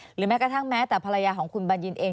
แม้กระทั่งแม้แต่ภรรยาของคุณบัญญินเอง